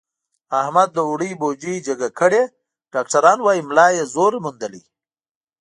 احمد د اوړو بوجۍ جګه کړې، ډاکټران وایي ملا یې زور موندلی.